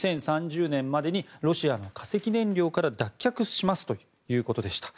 ２０３０年までにロシアの化石燃料から脱却しますということでした。